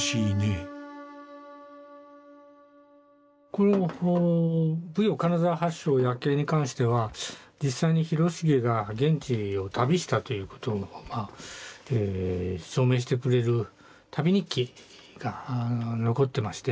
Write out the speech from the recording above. この「武陽金沢八勝夜景」に関しては実際に広重が現地を旅したということを証明してくれる旅日記が残ってまして。